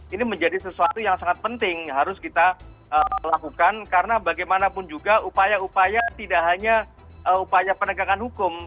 ini menjadi sesuatu yang sangat penting harus kita lakukan karena bagaimanapun juga upaya upaya tidak hanya upaya penegakan hukum